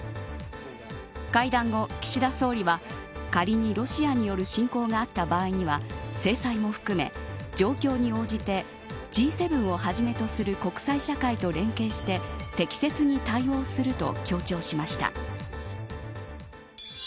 会談後、岸田総理は、仮にロシアによる侵攻があった場合には、制裁も含め状況に応じてＧ７をはじめとする国際社会と連携して、適切に対応すると強調しました。